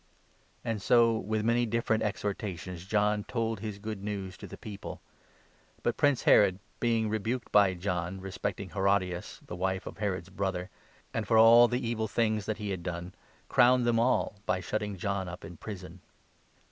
And so with many different exhortations John told his Good 18 News to the people. But Prince Herod, being rebuked by 19 John respecting Herodias, the wife of Herod's brother, and for all the evil things that he had done, crowned them all by 20 shutting John up in prison.